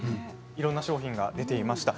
いろいろな商品が出ていました。